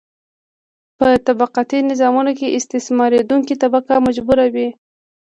په طبقاتي نظامونو کې استثماریدونکې طبقه مجبوره وي.